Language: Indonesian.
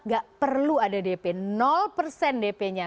gak perlu ada dp persen dp nya